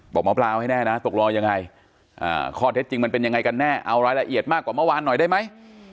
บอกหมอปลาเอาให้แน่นะตกลงยังไงข้อเท็จจริงมันเป็นยังไงกันแน่เอารายละเอียดมากกว่าเมื่อวานหน่อยได้ไหม